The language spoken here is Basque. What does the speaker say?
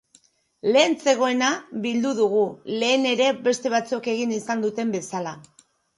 Lehen zegoena bildu dugu, lehen ere beste batzuek egin izan duten bezala.